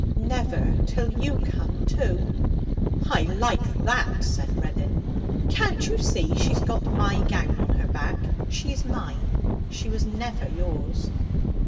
'Never! till you come, too.' 'I like that,' said Reddin. 'Can't you see she's got my gown on her back? She's mine. She was never yours.'